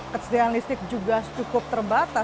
kesediaan listrik juga cukup terbatas